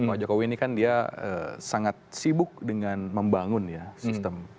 pak jokowi ini kan dia sangat sibuk dengan membangun ya sistem